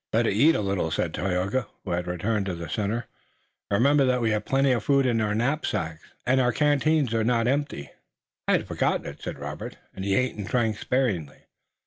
"Better eat a little," said Tayoga, who had returned to the center. "Remember that we have plenty of food in our knapsacks, nor are our canteens empty." "I had forgotten it," said Robert, and he ate and drank sparingly.